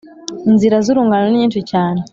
Inzira z’urungano ni nyinshi cyane